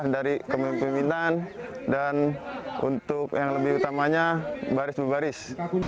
dari kepemimpinan dan untuk yang lebih utamanya baris berbaris